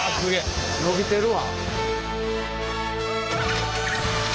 伸びてるわ！